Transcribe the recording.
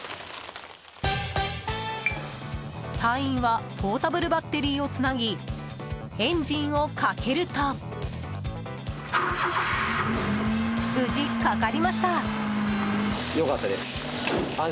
隊員はポータブルバッテリーをつなぎエンジンをかけると無事、かかりました。